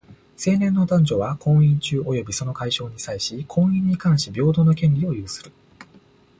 成年の男女は、婚姻中及びその解消に際し、婚姻に関し平等の権利を有する。